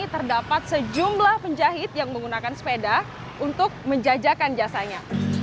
terdapat sejumlah penjahit yang menggunakan sepeda untuk menjajakan jasanya